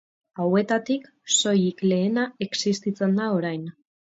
Hauetatik, soilik lehena existitzen da orain.